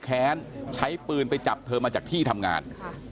แค้นใช้ปืนไปจับเธอมาจากที่ทำงาน